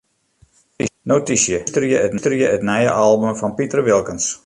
Notysje: Belústerje it nije album fan Piter Wilkens.